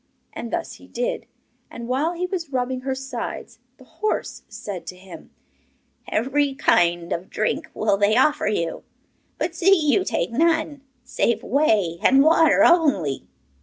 And thus he did. And while he was rubbing her sides the horse said to him: 'Every kind of drink will they offer you, but see you take none, save whey and water only.